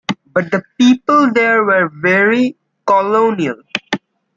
But the people there were very colonial.